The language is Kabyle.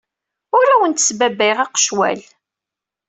Ur awent-sbabbayeɣ aqecwal.